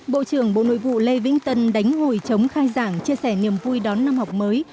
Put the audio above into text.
bộ trưởng bộ nội vụ lê vĩnh tân đánh hồi chống khai giảng chia sẻ niềm vui đón năm học mới